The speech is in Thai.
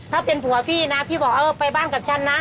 ถ้าเป็นผัวพี่นะพี่บอกเออไปบ้านกับฉันนะ